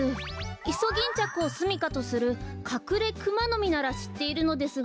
イソギンチャクをすみかとするカクレクマノミならしっているのですが。